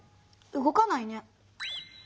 動かないね。